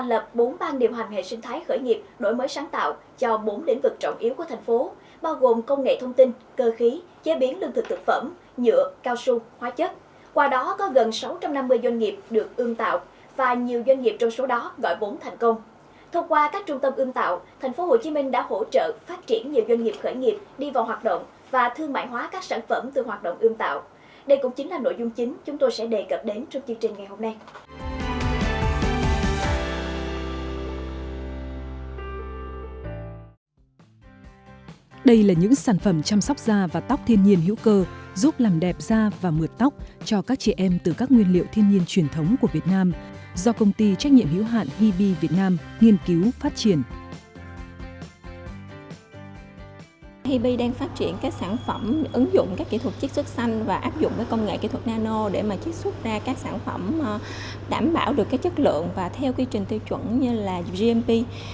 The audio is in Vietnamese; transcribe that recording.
hibby đang phát triển các sản phẩm ứng dụng các kỹ thuật chích xuất xanh và áp dụng công nghệ kỹ thuật nano để chích xuất ra các sản phẩm đảm bảo được chất lượng và theo quy trình tiêu chuẩn như gmp